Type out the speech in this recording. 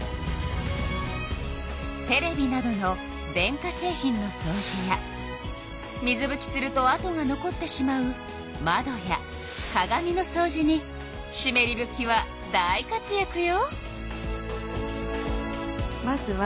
テレビなどの電化製品のそうじや水ぶきするとあとが残ってしまう窓や鏡のそうじにしめりぶきは大活やくよ。